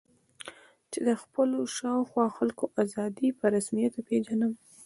چې د خپلو شا او خوا خلکو آزادي په رسمیت وپېژنم.